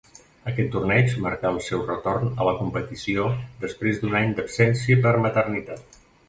Aquest torneig marcà el seu retorn a la competició després d'un any d'absència per maternitat.